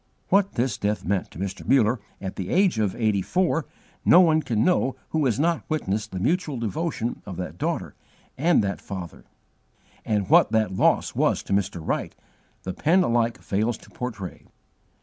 What this death meant to Mr. Muller, at the age of eighty four, no one can know who has not witnessed the mutual devotion of that daughter and that father: and what that loss was to Mr. Wright, the pen alike fails to portray.